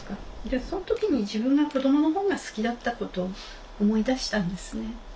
その時に自分が子どもの本が好きだったことを思い出したんですね。